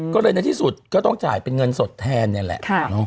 ก็เลยในที่สุดก็ต้องจ่ายเป็นเงินสดแทนเนี่ยแหละ